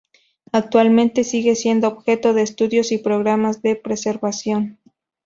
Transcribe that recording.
Actualmente siguen siendo objeto de estudios y programas de preservación.